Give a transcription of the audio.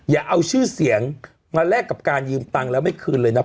อย่าเอาชื่อเสียงมาแลกกับการยืมตังค์แล้วไม่คืนเลยนะ